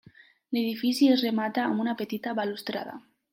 L'edifici es remata amb una petita balustrada.